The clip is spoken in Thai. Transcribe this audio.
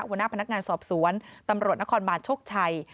หัวหน้าพนักงานสอบสวนตำรวจนครบาลโชคชัย